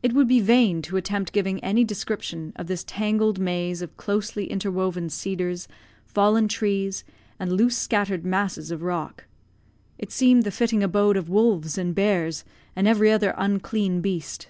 It would be vain to attempt giving any description of this tangled maze of closely interwoven cedars, fallen trees, and loose scattered masses of rock. It seemed the fitting abode of wolves and bears, and every other unclean beast.